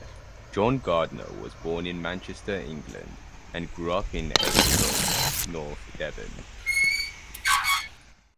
John Gardner was born in Manchester, England and grew up in Ilfracombe, North Devon.